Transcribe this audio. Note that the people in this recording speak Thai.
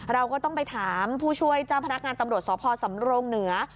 เราก็ต้องไปถามผู้ช่วยเจ้าพนักงานตำรวจสพสำรงเหนือ